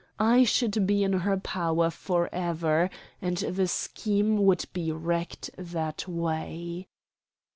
I should be in her power forever, and the scheme would be wrecked that way.